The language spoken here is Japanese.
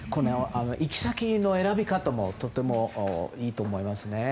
行き先の選び方もとてもいいと思いますね。